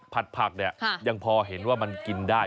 ผักเนี่ยยังพอเห็นว่ามันกินได้